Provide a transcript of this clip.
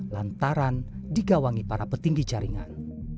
lantaran digawangi para petinggi jaringan